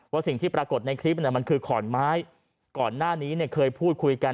สิ่งที่ปรากฏในคลิปมันคือขอนไม้ก่อนหน้านี้เนี่ยเคยพูดคุยกัน